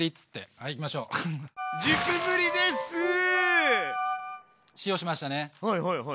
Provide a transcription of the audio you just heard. はいはいはいはい。